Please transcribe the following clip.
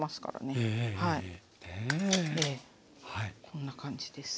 こんな感じです。